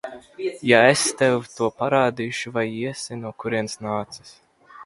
Ja es tev to parādīšu, vai iesi, no kurienes nācis?